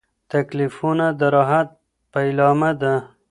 تکلیفونه د راحت پیلامه ده.